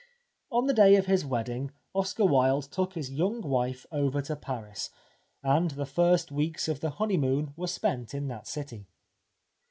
On the day of his wedding Oscar Wilde took his young wife over to Paris, and the first weeks of the honeymoon were spent in that city.